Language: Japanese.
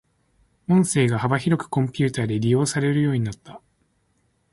音声が幅広くコンピュータで利用されるようになった。